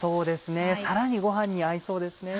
さらにご飯に合いそうですね。